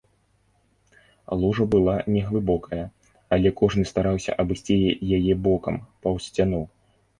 Лужа была не глыбокая, але кожны стараўся абысці яе бокам, паўз сцяну.